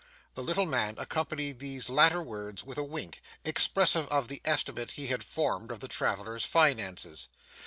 The little man accompanied these latter words with a wink, expressive of the estimate he had formed of the travellers' finances.